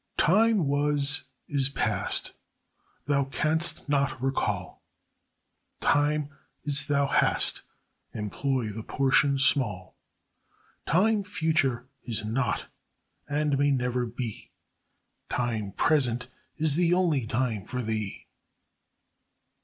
] "Time was is past—thou canst not it recall; Time is thou hast—employ the portion small; Time future is not, and may never be; Time present is the only time for thee."